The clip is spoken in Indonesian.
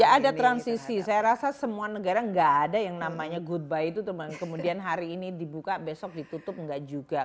ya ada transisi saya rasa semua negara nggak ada yang namanya good buy itu kemudian hari ini dibuka besok ditutup nggak juga